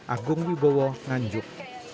agung wibowo nganjuk